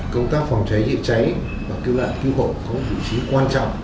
công tác phòng cháy địa cháy và cứu nạn cứu hộ có một vị trí quan trọng